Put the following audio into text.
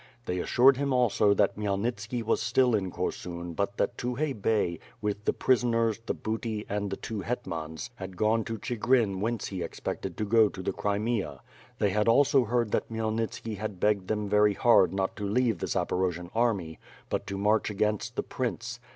They assured him also that Khmyelnitski was still in Korsun but that Tukhay Bey, with the prisoners, the booty, and the two hetmans, had gone to Chigrin whence he expected to go to the Crimea. They had also heard that Khmyelnitski had begged them very hard not to leave the Zaporojian army, but to march against the prince.